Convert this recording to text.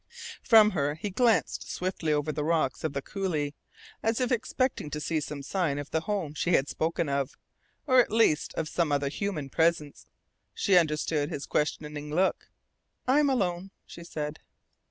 From her he glanced swiftly over the rocks of the coulee, as if expecting to see some sign of the home she had spoken of, or at least of some other human presence. She understood his questioning look. "I am alone," she said.